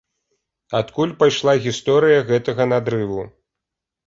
Адкуль пайшла гісторыя гэтага надрыву?